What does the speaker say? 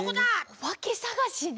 おばけさがしね。